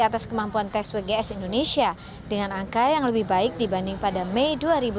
atas kemampuan tes wgs indonesia dengan angka yang lebih baik dibanding pada mei dua ribu dua puluh